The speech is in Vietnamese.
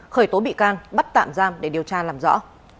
khởi tố bị can bắt tạm giam để điều tra làm rõ